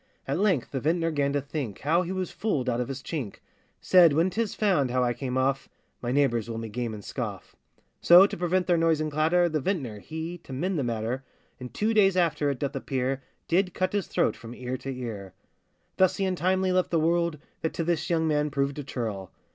At length the vintner 'gan to think How he was fooled out of his chink; Said, 'When 'tis found how I came off, My neighbours will me game and scoff.' So to prevent their noise and clatter The vintner he, to mend the matter, In two days after, it doth appear, Did cut his throat from ear to ear. Thus he untimely left the world, That to this young man proved a churl.